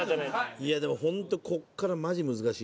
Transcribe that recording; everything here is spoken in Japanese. いやでもホントここからマジで難しい。